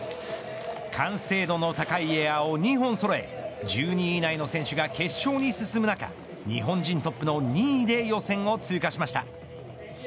完成度の高いエアを２本そろえ１２位以内の選手が決勝に進む中日本人トップの２位で予選を通過しました。